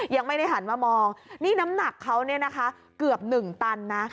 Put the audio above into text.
ยังไม่ได้หันมามองนี่น้ำหนักเขาเนี่ยนะคะเกือบ๑ตันนะ